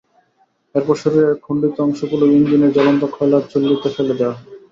এরপর শরীরের খণ্ডিত অংশগুলো ইঞ্জিনের জ্বলন্ত কয়লার চুল্লিতে ফেলে দেওয়া হয়।